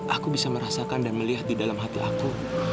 aku bisa merasakan dan melihat di dalam hati aku